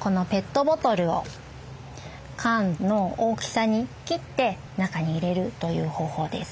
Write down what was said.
このペットボトルを缶の大きさに切って中に入れるという方法です。